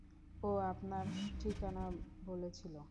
ও আপনার ঠিকানা বলেছিল।